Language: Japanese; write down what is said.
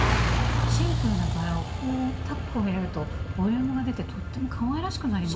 シンプルな柄をこうタックを入れるとボリュームが出てとってもかわいらしくなりましたね。